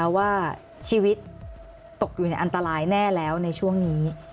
ว่าชีวิตตกอยู่ในอันตรายแน่แล้วในช่วงนี้